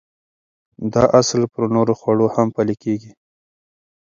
دا اصل پر نورو خوړو هم پلي کېږي.